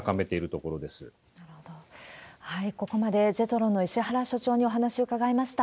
ここまでジェトロの石原所長にお話を伺いました。